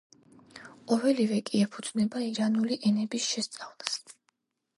ყოველივე კი ეფუძნება ირანული ენების შესწავლას.